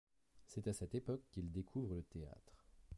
C’est à cette époque qu’il découvre le théâtre.